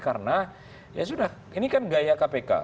karena ya sudah ini kan gaya kpk